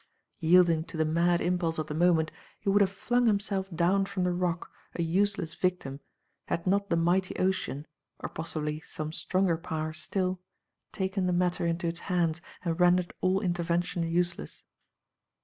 Yielding to the mad impulse of the moment, he would have flung Digitized by Google *' Tasma:* 303 himself down from the rock, a useless victim, had not the mighty ocean, or possibly some stronger power still, taken the matter into its hands and rendered all intervention useless.